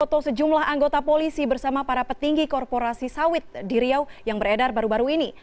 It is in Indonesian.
foto sejumlah anggota polisi bersama para petinggi korporasi sawit di riau yang beredar baru baru ini